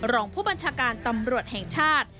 รองผู้บัญชาการตำรวจแห่งชาติ